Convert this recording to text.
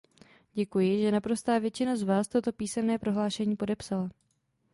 Děkuji, že naprostá většina z vás toto písemné prohlášení podepsala.